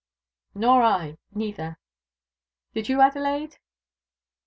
Nor I neither. Did you, Adelaide?'